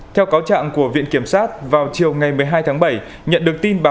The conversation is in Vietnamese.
theo cáo trạng của viện kiểm sát vào chiều ngày một mươi hai tháng bảy nhận được tin báo